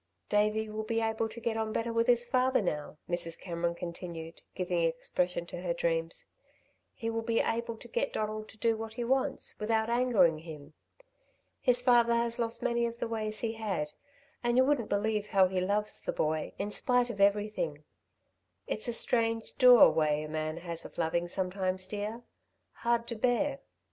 "Davey will be able to get on better with his father now," Mrs. Cameron continued, giving expression to her dreams. "He will be able to get Donald to do what he wants, without angering him. His father has lost many of the ways he had, and you wouldn't believe how he loves the boy, in spite of everything. It's a strange, dour way a man has of loving sometimes, dear hard to bear.